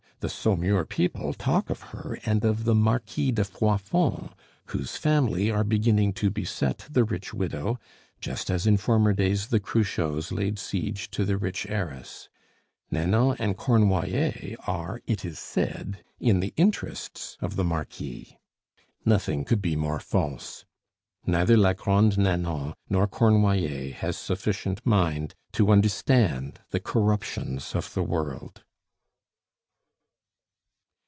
The Saumur people talk of her and of the Marquis de Froidfond, whose family are beginning to beset the rich widow just as, in former days, the Cruchots laid siege to the rich heiress. Nanon and Cornoiller are, it is said, in the interests of the marquis. Nothing could be more false. Neither la Grande Nanon nor Cornoiller has sufficient mind to understand the corruptions of the world.